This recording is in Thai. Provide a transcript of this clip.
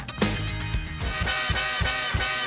ขอบคุณค่ะ